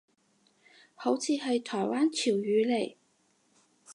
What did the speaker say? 好似係台灣潮語嚟